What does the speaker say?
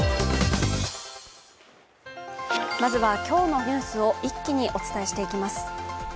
まずは今日のニュースを一気にお伝えしていきます。